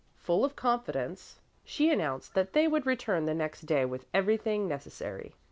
Full of confidence she announced that they would return the next day with everything necessary.